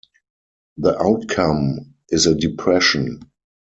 The outcome is a depression.